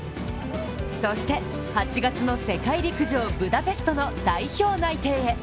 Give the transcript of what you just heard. そして８月の世界陸上ブダペストの代表内定へ。